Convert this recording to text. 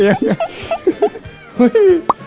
อย่างนี้